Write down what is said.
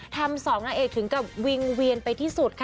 สองนางเอกถึงกับวิงเวียนไปที่สุดค่ะ